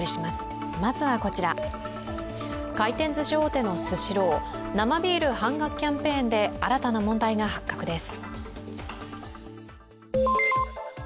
回転ずし大手のスシロー、生ビール半額キャンペーンで新たな問題が発覚です。